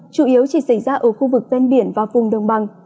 chủ yếu chỉ xảy ra ở khu vực ven biển và vùng đồng bằng